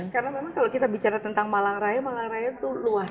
karena memang kalau kita bicara tentang malang raya malang raya itu luas